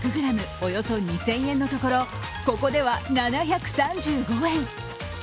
およそ２０００円のところここでは７３５円。